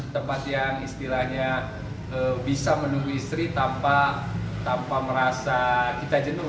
tempat yang istilahnya bisa menunggu istri tanpa merasa kita jenuh